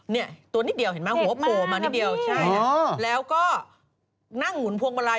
เนี่ยตัวนิดเดียวเห็นไหมหัวโผล่มานิดเดียวใช่นะแล้วก็นั่งหมุนพวงมาลัย